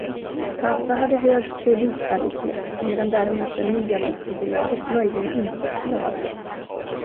Tata hade hög kreditvärdighet, medan däremot det nya dotterbolaget möjligen inte skulle ha det.